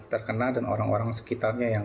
terkena dan orang orang sekitarnya yang